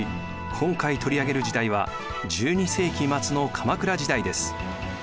今回取り上げる時代は１２世紀末の鎌倉時代です。